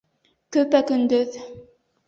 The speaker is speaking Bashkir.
Көпә-көндөҙ!..